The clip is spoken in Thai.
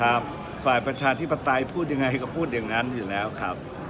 ฝ่ายประชาธิปไตยพูดยังไงก็พูดอย่างนั้นอยู่แล้วครับ